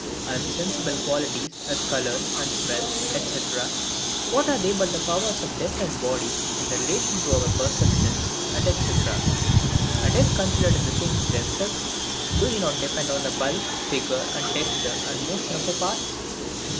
And sensible qualities, as colours and smells, &c. what are they but the powers of different bodies, in relation to our perception, &c.? And, if considered in the things themselves, do they not depend on the bulk, figure, texture, and motion of the parts?